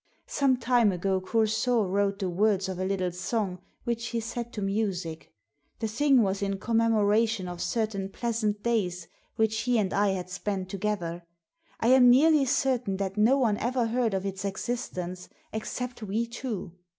"Some time ago Coursault wrote the vords of a little song, which he set to music The tiling was in commemoration of certain pleasant days which he and I had spent together. I am nearly certain that no one ever heard of its existence except we two.